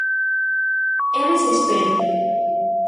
É desespero.